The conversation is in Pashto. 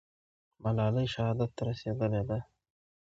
ملالۍ شهادت ته رسېدلې ده.